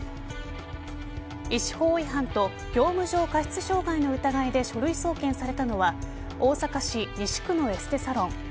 医師法違反と業務上過失傷害の疑いで書類送検されたのは大阪市西区のエステサロン